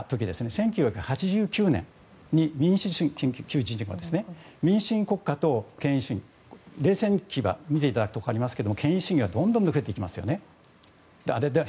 １９８９年に民主主義国家と権威主義冷戦期を見ていただくと分かりますけれども権威主義がどんどん減っていきますよね。